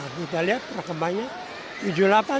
kita lihat perkembangannya